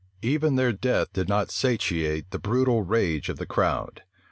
Even their death did not satiate the brutal rage of the multitude.